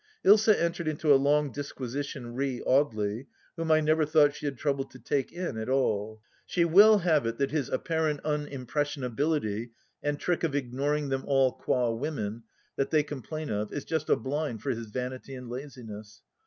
Ilsa entered into a long disquisition re Audely, whom I never thought she had troubled to take in at all. She will have it that his apparent unimpressionability and trick of ignoring them all qua women that they complain of, is just a blind for his vanity and laziness.